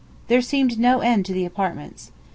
There seemed no end to the apartments.